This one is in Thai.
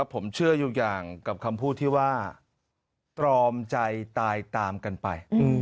ผมเชื่ออยู่อย่างกับคำพูดที่ว่าตรอมใจตายตามกันไป